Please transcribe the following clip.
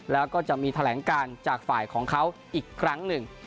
แล้วก็จะมีแถลงการจากฝ่ายของเขาอีกครั้งหนึ่ง